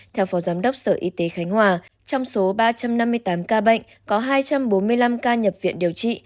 theo phó giám đốc sở y tế khánh hòa trong số ba trăm năm mươi tám ca bệnh có hai trăm bốn mươi năm ca nhập viện điều trị